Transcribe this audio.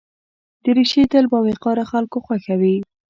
دریشي تل د باوقاره خلکو خوښه وي.